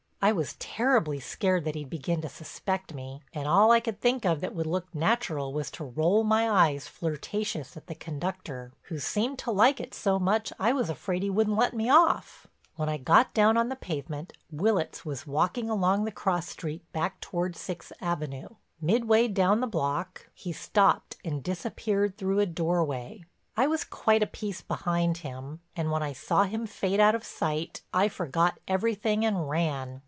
I was terribly scared that he'd begin to suspect me, and all I could think of that would look natural was to roll my eyes flirtatious at the conductor, who seemed to like it so much I was afraid he wouldn't let me off. When I got down on the pavement Willitts was walking along the cross street back toward Sixth Avenue. Midway down the block, he stopped and disappeared through a doorway. I was quite a piece behind him and when I saw him fade out of sight I forgot everything and ran.